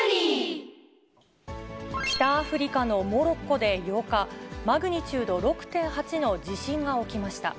北アフリカのモロッコで８日、マグニチュード６．８の地震が起きました。